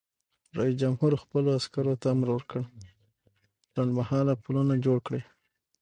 رئیس جمهور خپلو عسکرو ته امر وکړ؛ لنډمهاله پلونه جوړ کړئ!